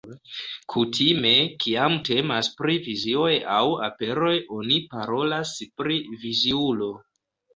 Kutime, kiam temas pri vizioj aŭ aperoj oni parolas pri"viziulo".